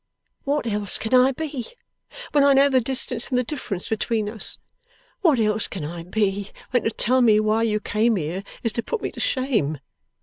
'What else can I be, when I know the distance and the difference between us? What else can I be, when to tell me why you came here, is to put me to shame!